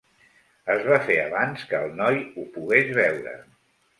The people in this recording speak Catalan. Es va fer abans que el noi ho pogués veure.